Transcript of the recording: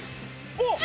おっ。